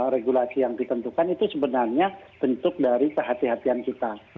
regulasi yang ditentukan itu sebenarnya bentuk dari kehatian kita